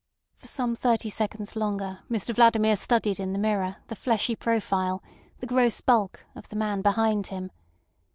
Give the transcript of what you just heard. For some thirty seconds longer Mr Vladimir studied in the mirror the fleshy profile, the gross bulk, of the man behind him.